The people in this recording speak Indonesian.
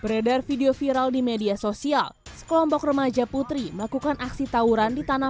beredar video viral di media sosial sekelompok remaja putri melakukan aksi tawuran di tanah